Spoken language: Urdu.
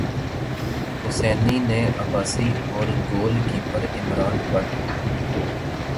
حسینی نے عباسی اور گول کیپر عمران بٹ